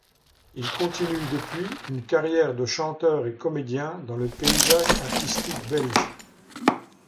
Il continue depuis une carrière de chanteur et comédien dans le paysage artistique belge.